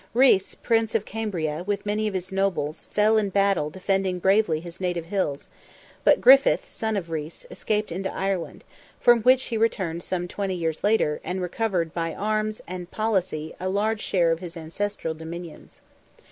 Rhys, Prince of Cambria, with many of his nobles, fell in battle defending bravely his native hills; but Griffith, son of Rhys, escaped into Ireland, from which he returned some twenty years later, and recovered by arms and policy a large share of his ancestral dominions.